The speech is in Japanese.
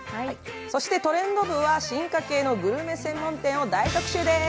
「トレンド部」は進化系のグルメ専門店を大特集です。